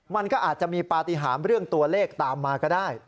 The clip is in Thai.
มันก็อาจจะมีปฏิหารเรื่องตัวเลขตามมาก็ได้